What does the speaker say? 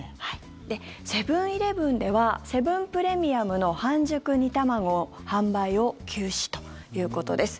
セブン−イレブンではセブンプレミアムの半熟煮たまご販売を休止ということです。